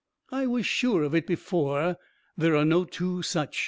I was sure of it before. There are no two such.